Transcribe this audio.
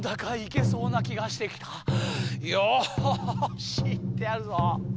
よしいってやるぞ。